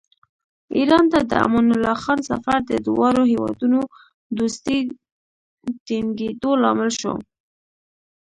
ایران ته د امان الله خان سفر د دواړو هېوادونو دوستۍ ټینګېدو لامل شو.